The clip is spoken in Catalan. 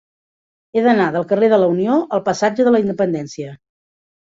He d'anar del carrer de la Unió al passatge de la Independència.